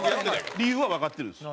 理由はわかってるんですよ。